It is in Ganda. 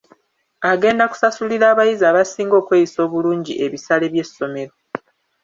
Agenda kusasulira abayizi abasinga okweyisa obulungi ebisale by'essomero.